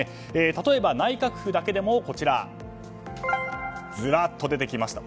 例えば内閣府だけでもずらっと出てきました。